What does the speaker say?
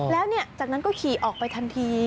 แล้วจากนั้นก็ขี่ออกไปทันที